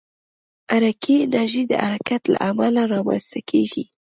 حرکي انرژي د حرکت له امله رامنځته کېږي.